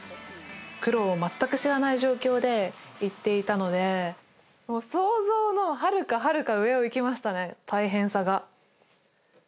苦労を全く知らない状況で行っていたので、もう想像のはるかはるか上をいきましたね、大変さが。